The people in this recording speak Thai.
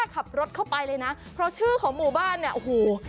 ขับรถเข้าไปเลยนะเพราะชื่อของหมู่บ้านเนี่ยโอ้โห